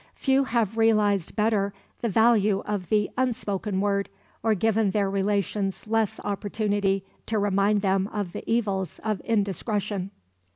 Few have realized better the value of the unspoken word, or given their relations less opportunity to remind them of the evils of indiscretion.